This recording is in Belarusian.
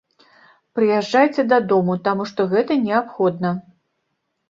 Прыязджайце дадому, таму што гэта неабходна.